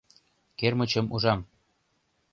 — Кермычым ужам.